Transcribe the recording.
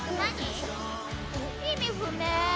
意味不明。